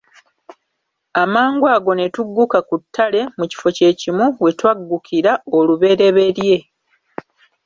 Amangu ago ne tugguka ku ttale mu kifo kye kimu we twaggukira olubereberye.